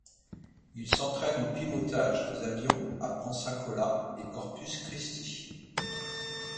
Il s'entraine au pilotage des avions à Pensacola et Corpus Christi.